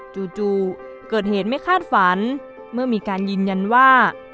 จู่เกิดเหตุไม่คาดฝันเมื่อมีการยืนยันว่า